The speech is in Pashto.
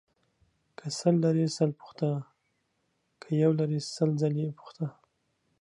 که سل لرې سل پوښته ، که يو لرې سل ځله يې پوښته.